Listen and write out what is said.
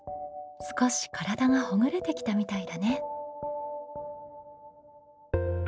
少し体がほぐれてきたみたいだね。